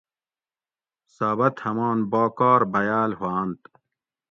ثابت ہمان باکار بھیاۤل ہُوانت